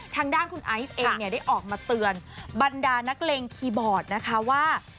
ทางด้านคุณไอซ์เองเนี่ยได้ออกมาเตือนบรรดานักเลงคีย์บอร์ดนะคะว่า